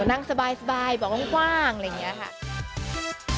นั่งสบายบอกว่างอะไรอย่างนี้ค่ะ